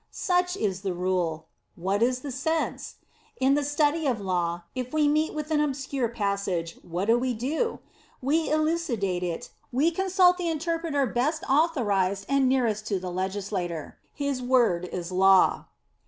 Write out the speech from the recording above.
* Such is the rule. What is the sense? In the study of law, if we meet with an obscure passage, what do we do? To elucidate it, we consult the incerpreter best authorized and nearest to the legislator ; his word is law.